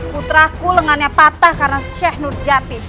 putraku lengannya patah karena sheikh nurjati